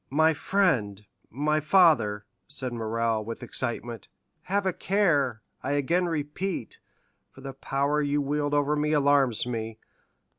"My friend, my father," said Morrel with excitement, "have a care, I again repeat, for the power you wield over me alarms me.